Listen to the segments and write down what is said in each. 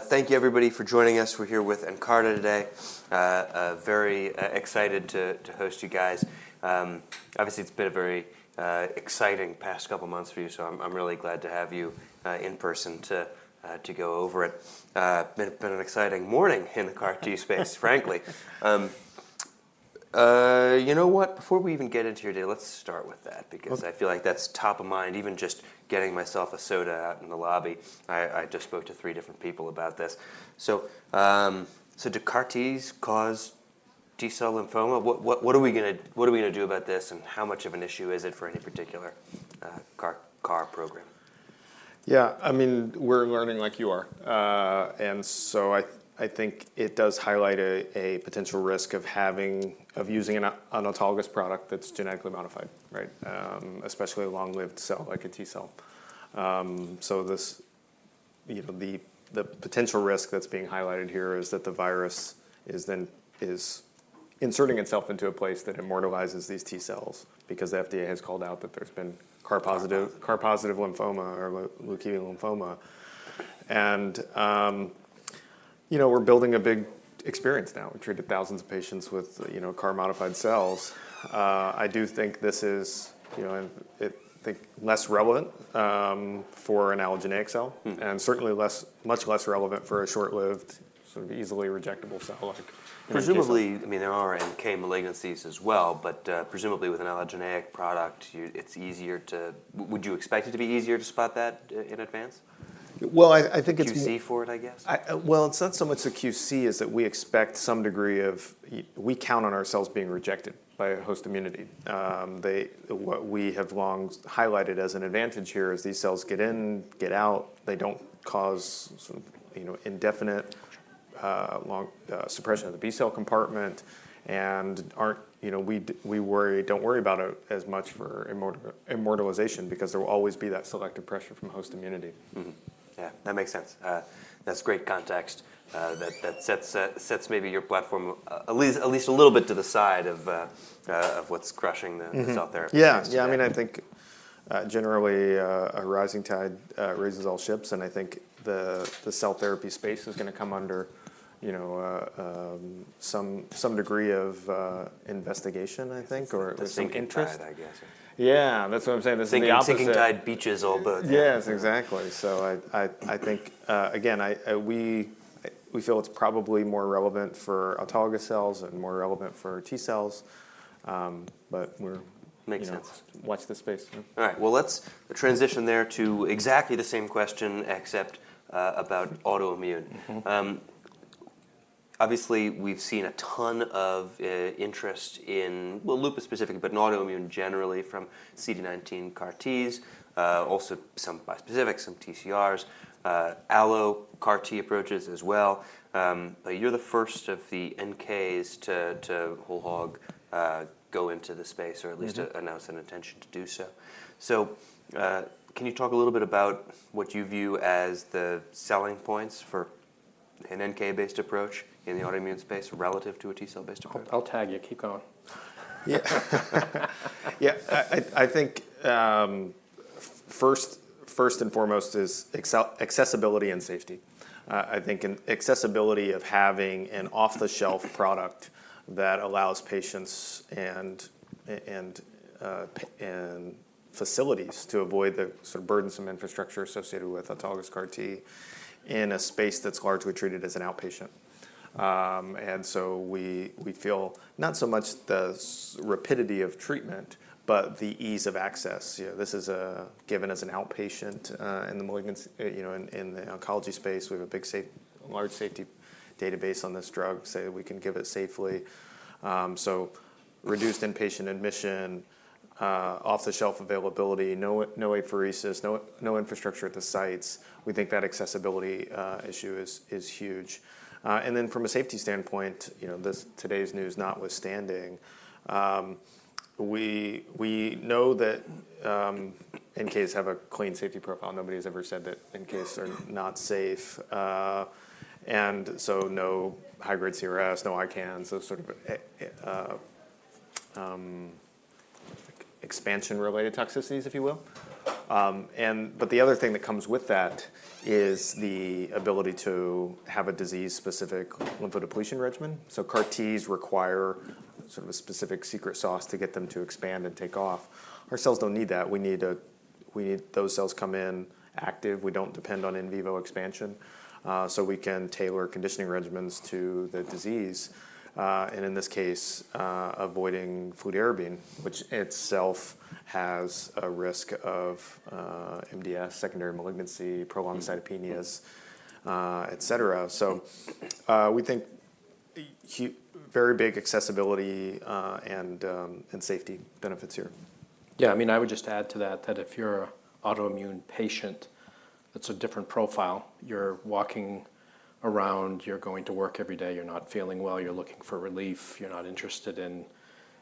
Thank you everybody for joining us. We're here with Nkarta today. Very excited to host you guys. Obviously, it's been a very exciting past couple months for you, so I'm really glad to have you in person to go over it. Been an exciting morning in the CAR T space, frankly. What? Before we even get into your day, let's start with that. Okay. Because I feel like that's top of mind, even just getting myself a soda out in the lobby, I just spoke to three different people about this. So, so do CAR Ts cause T-cell lymphoma? What are we going to do about this, and how much of an issue is it for any particular CAR program? Yeah, I mean, we're learning like you are. And so I think it does highlight a potential risk of using an autologous product that's genetically modified, right? Especially a long-lived cell, like a T-cell. So this, the potential risk that's being highlighted here is that the virus is then inserting itself into a place that immortalizes these T-cells because the FDA has called out that there's been CAR-positive lymphoma or leukemia lymphoma. And we're building a big experience now. We've treated thousands of patients with CAR-modified cells. I do think this is less relevant for an allogeneic cell and certainly less, much less relevant for a short-lived, sort of, easily rejectable cell, like a T-cell. Presumably, I mean, there are NK malignancies as well, but, presumably, with an allogeneic product, you, it's easier to. Would you expect it to be easier to spot that in advance? Well, I think it's. QC for it, I guess? Well, it's not so much the QC as that we expect some degree of, we count on our cells being rejected by a host immunity. What we have long highlighted as an advantage here is these cells get in, get out, they don't cause, sort of indefinite, long suppression of the B-cell compartment and aren't. We don't worry about it as much for immortalization because there will always be that selective pressure from host immunity. Yeah, that makes sense. That's great context, that sets maybe your platform at least a little bit to the side of what's crushing the cell therapy space. Yeah. Yeah, I mean, I think generally a rising tide raises all ships and I think the cell therapy space is going to come under, some degree of investigation, I think, or? The sinking tide. Increased interest. I guess. Yeah, that's what I'm saying. There's the opposite. The sinking tide beaches all birds. Yes, exactly. So I think, again, we feel it's probably more relevant for autologous cells and more relevant for T cells, but we're. Makes sense. Watch this space. All right, well, let's transition there to exactly the same question, except about autoimmune. Obviously, we've seen a ton of interest in, well, lupus specific, but in autoimmune generally from CD19 CAR Ts, also some bispecific, some TCRs, allo CAR T approaches as well. But you're the first of the NKs to whole hog go into the space or at least announce an intention to do so. So, can you talk a little bit about what you view as the selling points for an NK-based approach in the autoimmune space relative to a T-cell based approach? I'll tag you. Keep going. Yeah. Yeah, I think, first and foremost is accessibility and safety. I think an accessibility of having an off-the-shelf product that allows patients and and facilities to avoid the sort of burdensome infrastructure associated with autologous CAR T in a space that's largely treated as an outpatient. And so we, we feel not so much the rapidity of treatment, but the ease of access. This is given as an outpatient in the malignancy, in the oncology space, we have a big a large safety database on this drug, so we can give it safely. So reduced inpatient admission, off-the-shelf availability, no apheresis, no infrastructure at the sites. We think that accessibility issue is huge. And then from a safety standpoint, this, today's news notwithstanding, we know that NKs have a clean safety profile. Nobody has ever said that NK cells are not safe, and so no high-grade CRS, no ICANS, those sort of expansion-related toxicities, if you will. But the other thing that comes with that is the ability to have a disease-specific lymphodepletion regimen. So CAR Ts require sort of a specific secret sauce to get them to expand and take off. Our cells don't need that. Those cells come in active. We don't depend on in vivo expansion, so we can tailor conditioning regimens to the disease, and in this case, avoiding fludarabine, which itself has a risk of MDS, secondary malignancy prolonged cytopenias, et cetera. So, we think very big accessibility, and safety benefits here. Yeah, I mean, I would just add to that, that if you're an autoimmune patient, it's a different profile. You're walking around, you're going to work every day, you're not feeling well, you're looking for relief, you're not interested in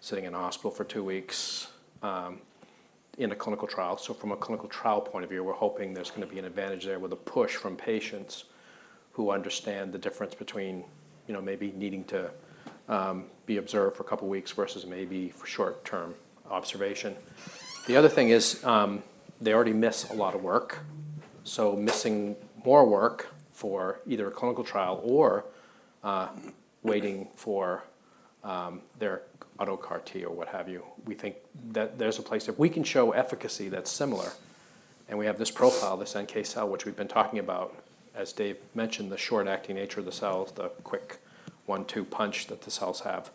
sitting in a hospital for two weeks in a clinical trial. So from a clinical trial point of view, we're hoping there's going to be an advantage there with a push from patients who understand the difference between, maybe needing to be observed for a couple of weeks versus maybe for short-term observation. The other thing is, They already miss a lot of work, so missing more work for either a clinical trial or, waiting for, their auto CAR T or what have you, we think that there's a place. If we can show efficacy that's similar, and we have this profile, this NK cell, which we've been talking about, as Dave mentioned, the short acting nature of the cells, the quick one-two punch that the cells have,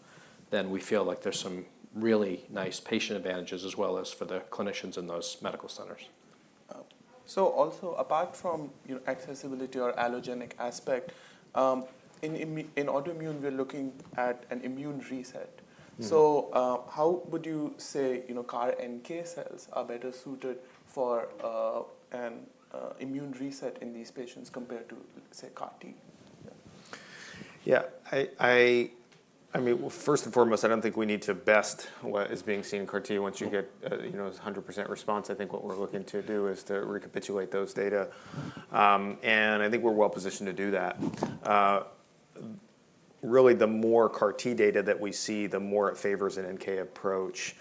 then we feel like there's some really nice patient advantages as well as for the clinicians in those medical centers. Oh. So also, apart from, you know, accessibility or allogeneic aspect, in autoimmune, we're looking at an immune reset. So, how would you say, you know, CAR NK cells are better suited for an immune reset in these patients compared to, say, CAR T? Yeah, I mean, well, first and foremost, I don't think we need to best what is being seen in CAR T once you get you know, 100% response. I think what we're looking to do is to recapitulate those data, and I think we're well positioned to do that. Really, the more CAR T data that we see, the more it favors an NK approach.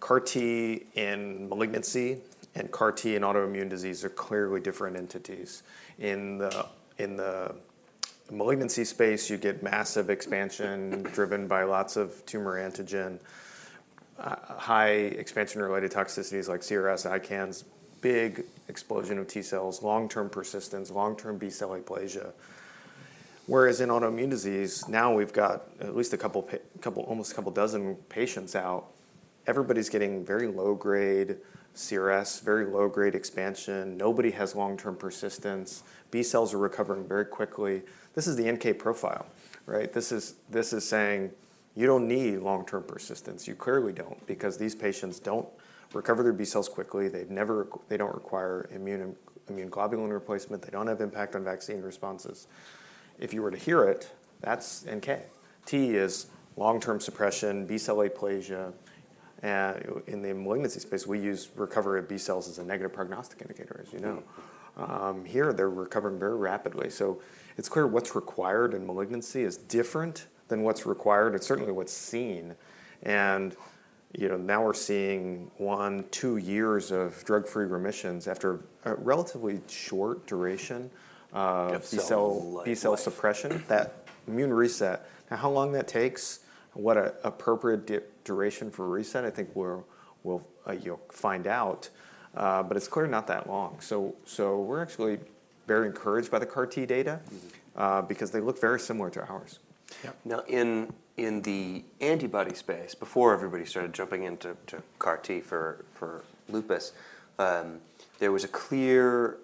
CAR T in malignancy and CAR T in autoimmune disease are clearly different entities. In the malignancy space, you get massive expansion driven by lots of tumor antigen, high expansion-related toxicities like CRS, ICANS, big explosion of T cells, long-term persistence, long-term B-cell aplasia. Whereas in autoimmune disease, now we've got at least a couple, almost a couple dozen patients out. Everybody's getting very low-grade CRS, very low-grade expansion. Nobody has long-term persistence. B cells are recovering very quickly. This is the NK profile, right? This is saying, you don't need long-term persistence. You clearly don't, because these patients don't recover their B cells quickly, they never, they don't require immunoglobulin replacement, they don't have impact on vaccine responses. If you were to hear it, that's NK. T is long-term suppression, B-cell aplasia, in the malignancy space, we use recovery of B cells as a negative prognostic indicator, as you know. Here, they're recovering very rapidly, so it's clear what's required in malignancy is different than what's required, and certainly what's seen. You know, now we're seeing 1, 2 years of drug-free remissions after a relatively short duration of- B-cell, B-cell suppression, that immune reset. Now, how long that takes and what an appropriate duration for reset, I think we're, we'll, you'll find out, but it's clearly not that long. So, so we're actually very encouraged by the CAR T data- because they look very similar to ours. Yeah. Now, in the antibody space, before everybody started jumping into CAR T for lupus, there was a clear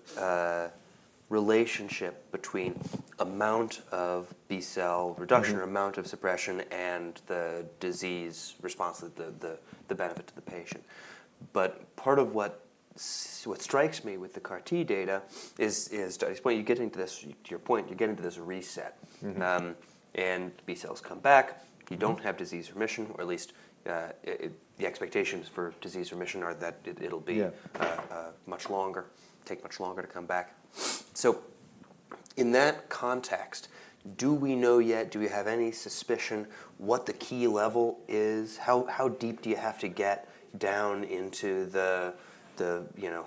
relationship between amount of B-cell reduction or amount of suppression and the disease response to the benefit to the patient. But part of what what strikes me with the CAR T data is to this point, you get into this, to your point, you get into this reset. B cells come back. You don't have disease remission, or at least, the expectations for disease remission are that it'll be. Yeah. Much longer, take much longer to come back. So in that context, do we know yet, do we have any suspicion what the key level is? How deep do you have to get down into the, you know,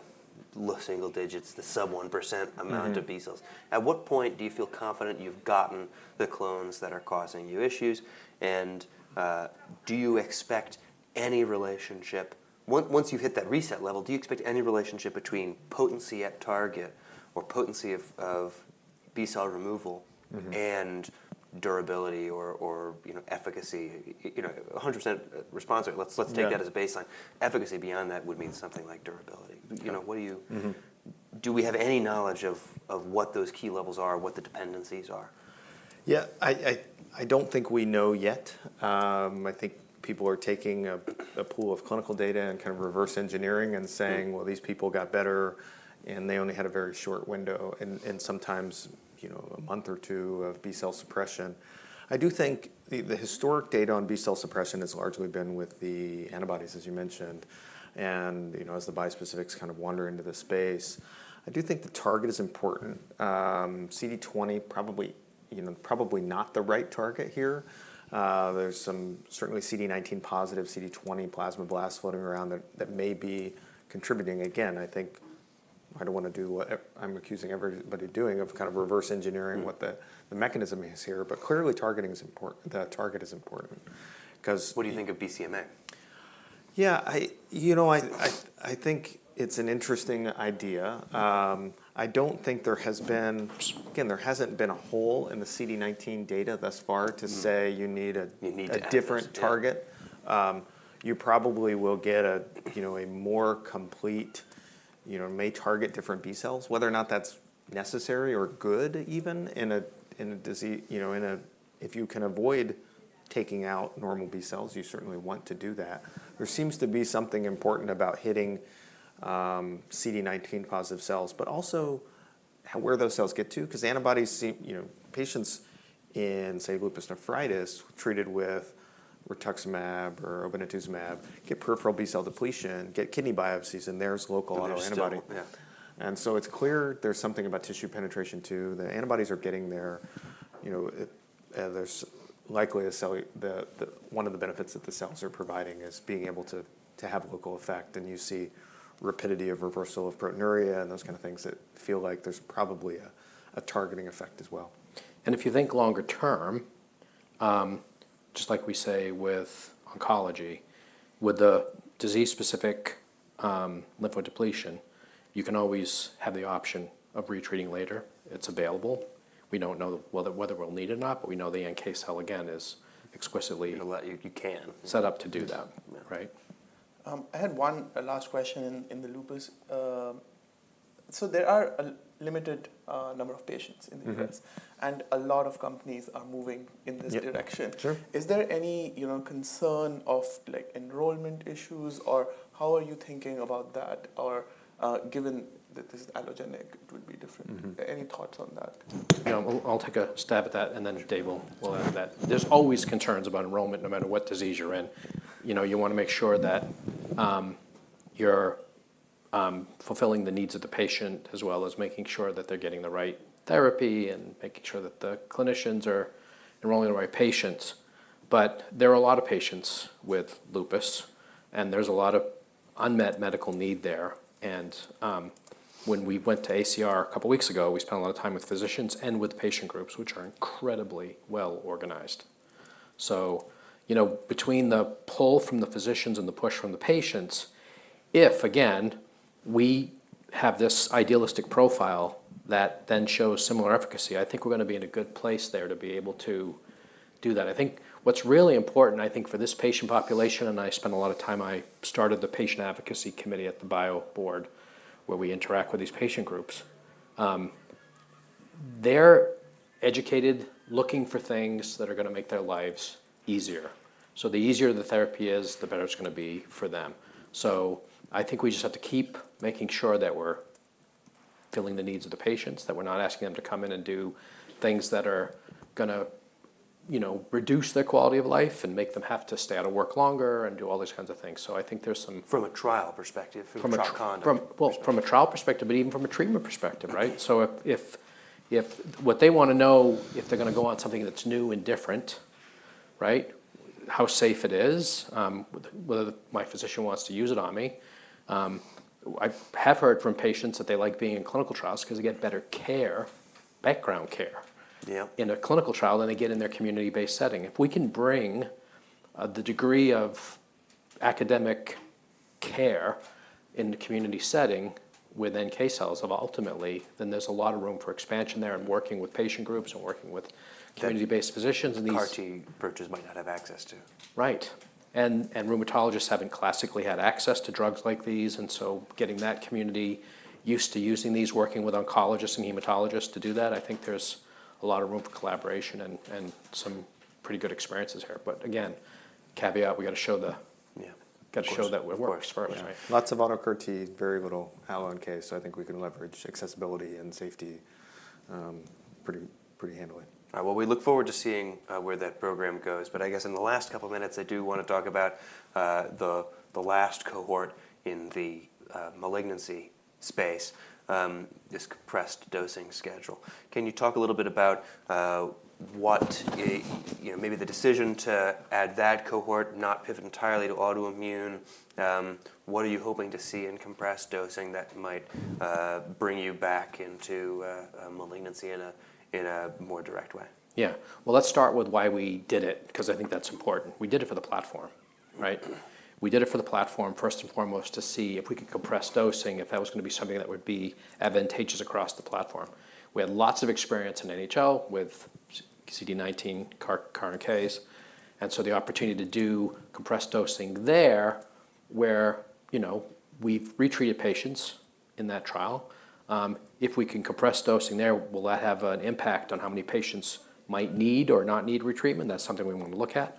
low single digits, the sub-1% amount Of B cells? At what point do you feel confident you've gotten the clones that are causing you issues, and, do you expect any relationship... Once, once you've hit that reset level, do you expect any relationship between potency at target or potency of, of B-cell removal. And durability or you know, efficacy? You know, 100% response rate, let's. Yeah. Let's take that as a baseline. Efficacy beyond that would mean something like durability. You know, what do you. Do we have any knowledge of what those key levels are, what the dependencies are? Yeah, I don't think we know yet. I think people are taking a pool of clinical data and kind of reverse engineering and saying: Well, these people got better, and they only had a very short window and sometimes, you know, a month or two of B-cell suppression. I do think the historic data on B-cell suppression has largely been with the antibodies, as you mentioned, and, you know, as the bispecifics kind of wander into the space, I do think the target is important. CD20, probably, you know, probably not the right target here. There's some certainly CD19 positive, CD20 plasmablast floating around that may be contributing. Again, I think I don't want to do what I'm accusing everybody of doing, of kind of reverse engineering. What the mechanism is here, but clearly targeting is important. The target is important, 'cause. What do you think of BCMA? Yeah, you know, I think it's an interesting idea. I don't think there has been. Again, there hasn't been a hole in the CD19 data thus far to say you need a different target. Yeah. You probably will get a, you know, a more complete, you know, may target different B cells. Whether or not that's necessary or good even in a, in a you know, in a... If you can avoid taking out normal B cells, you certainly want to do that. There seems to be something important about hitting CD19 positive cells, but also where those cells get to, because antibodies seem... You know, patients in, say, lupus nephritis, treated with rituximab or obinutuzumab, get peripheral B-cell depletion, get kidney biopsies, and there's local antibody. But they're still. Yeah. And so it's clear there's something about tissue penetration, too. The antibodies are getting there, you know, it, there's likely a cell the one of the benefits that the cells are providing is being able to have a local effect, and you see rapidity of reversal of proteinuria and those things that feel like there's probably a targeting effect as well. If you think longer term, just like we say with oncology, with the disease-specific lymphodepletion, you can always have the option of re-treating later. It's available. We don't know whether we'll need it or not, but we know the NK cell, again, is exquisitely. It'll let you. You can set up to do that. Yeah. Right? I had one last question in the lupus. So there are a limited number of patients in the lupus and a lot of companies are moving in this direction. Yep. Sure. Is there any, you know, concern of, like, enrollment issues, or how are you thinking about that? Or, given that this is allogeneic, it would be different. Any thoughts on that? You know, I'll take a stab at that, and then Dave will add to that. There's always concerns about enrollment, no matter what disease you're in. You know, you want to make sure that you're fulfilling the needs of the patient, as well as making sure that they're getting the right therapy and making sure that the clinicians are enrolling the right patients. But there are a lot of patients with lupus, and there's a lot of unmet medical need there. And when we went to ACR a couple weeks ago, we spent a lot of time with physicians and with patient groups, which are incredibly well-organized. So, you know, between the pull from the physicians and the push from the patients, if, again, we have this idealistic profile that then shows similar efficacy, I think we're going to be in a good place there to be able to do that. I think what's really important, I think, for this patient population, and I spent a lot of time... I started the Patient Advocacy Committee at the Bio Board, where we interact with these patient groups. They're educated, looking for things that are going to make their lives easier. So the easier the therapy is, the better it's going to be for them. I think we just have to keep making sure that we're filling the needs of the patients, that we're not asking them to come in and do things that are going to, you know, reduce their quality of life and make them have to stay out of work longer and do all these kinds of things. I think there's some- From a trial perspective, from a trial con- Well, from a trial perspective, but even from a treatment perspective, right? Okay. So if what they want to know, if they're going to go on something that's new and different, right? How safe it is, whether my physician wants to use it on me. I've heard from patients that they like being in clinical trials 'cause they get better care, background care- Yeah In a clinical trial than they get in their community-based setting. If we can bring the degree of academic care in the community setting with NK cells ultimately, then there's a lot of room for expansion there and working with patient groups and working with community-based physicians, and these- CAR T approaches might not have access to. Right. And rheumatologists haven't classically had access to drugs like these, and so getting that community used to using these, working with oncologists and hematologists to do that, I think there's a lot of room for collaboration and some pretty good experiences here. But again, caveat, we've got to show. Yeah. Got to show that it works first. Of course, right. Lots of auto CAR T, very little allo NK, so I think we can leverage accessibility and safety, pretty, pretty handily. Well, we look forward to seeing where that program goes. But I guess in the last couple minutes, I do want to talk about the last cohort in the malignancy space, this compressed dosing schedule. Can you talk a little bit about what, you know, maybe the decision to add that cohort, not pivot entirely to autoimmune? What are you hoping to see in compressed dosing that might bring you back into malignancy in a more direct way? Yeah. Well, let's start with why we did it, 'cause I think that's important. We did it for the platform, right? We did it for the platform first and foremost to see if we could compress dosing, if that was going to be something that would be advantageous across the platform. We had lots of experience in NHL with CD19 CAR, CAR NKs, and so the opportunity to do compressed dosing there, where, you know, we've retreated patients in that trial, if we can compress dosing there, will that have an impact on how many patients might need or not need retreatment? That's something we want to look at.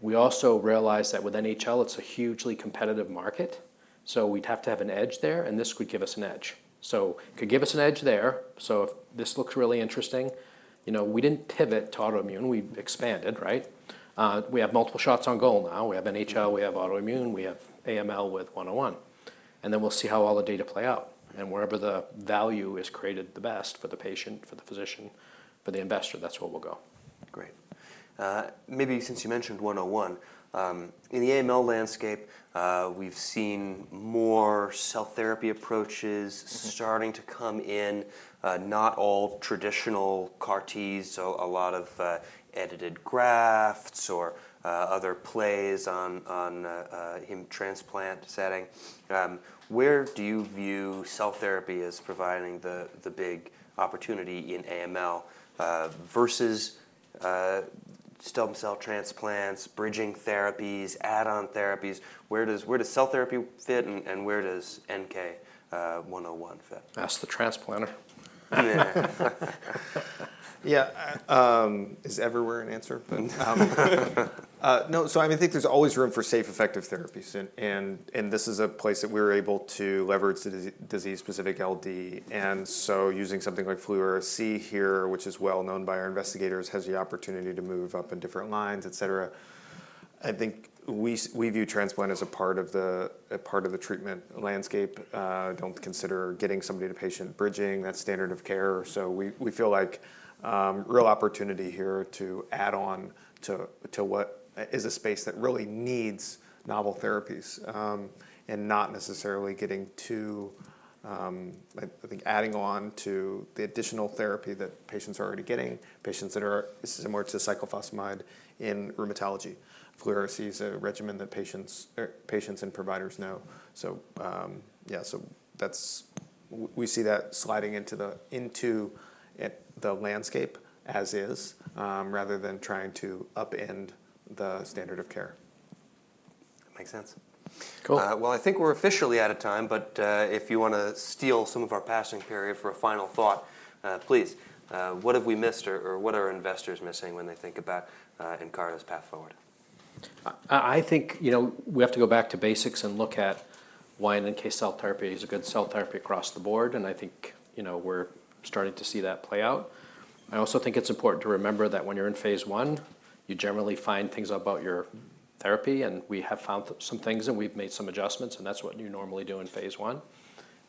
We also realize that with NHL, it's a hugely competitive market, so we'd have to have an edge there, and this could give us an edge. So it could give us an edge there, so if this looks really interesting. You know, we didn't pivot to autoimmune. We expanded, right? We have multiple shots on goal now. We have NHL, we have autoimmune, we have AML with 101, and then we'll see how all the data play out, and wherever the value is created the best for the patient, for the physician, for the investor, that's where we'll go. Great. Maybe since you mentioned 101, in the AML landscape, we've seen more cell therapy approaches starting to come in, not all traditional CAR Ts, so a lot of edited grafts or other plays on, on in transplant setting. Where do you view cell therapy as providing the, the big opportunity in AML versus stem cell transplants, bridging therapies, add-on therapies? Where does, where does cell therapy fit, and, and where does NKX101 fit? Ask the transplanter. Yeah. Yeah, is everywhere an answer? But, no, so I think there's always room for safe, effective therapies, and this is a place that we're able to leverage the disease-specific LD. And so using something like fludarabine here, which is well known by our investigators, has the opportunity to move up in different lines, et cetera. I think we view transplant as a part of the, a part of the treatment landscape. Don't consider getting somebody to patient bridging, that's standard of care. So we feel like real opportunity here to add on to what is a space that really needs novel therapies, and not necessarily getting too, I think adding on to the additional therapy that patients are already getting, patients that are this is similar to cyclophosphamide in rheumatology. Fludarabine is a regimen that patients, or patients and providers know. So that's we see that sliding into the landscape as is, rather than trying to upend the standard of care. Makes sense. Cool. Well, I think we're officially out of time, but if you want to steal some of our passing period for a final thought, please, what have we missed or, or what are investors missing when they think about Nkarta's path forward? I think, you know, we have to go back to basics and look at why NK cell therapy is a good cell therapy across the board, and I think, you know, we're starting to see that play out. I also think it's important to remember that when you're in phase one, you generally find things about your therapy, and we have found some things, and we've made some adjustments, and that's what you normally do in phase one.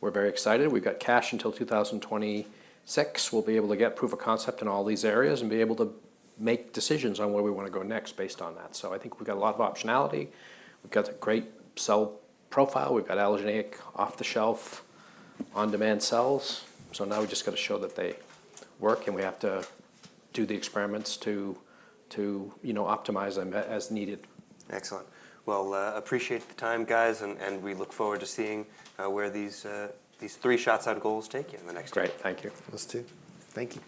We're very excited. We've got cash until 2026. We'll be able to get proof of concept in all these areas and be able to make decisions on where we want to go next based on that. So I think we've got a lot of optionality, we've got a great cell profile, we've got allogeneic off-the-shelf, on-demand cells, so now we've just gotta show that they work, and we have to do the experiments to, you know, optimize them as needed. Excellent. Well, appreciate the time, guys, and we look forward to seeing where these 3 shots on goal take you in the next year. Great. Thank you. Us, too. Thank you.